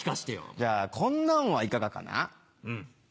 じゃあこんなんはいかがかな。